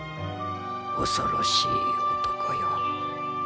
恐ろしい男よ